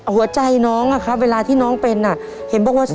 หัวใจน้องเวลาที่น้องเป็นเห็นบอกว่าสวย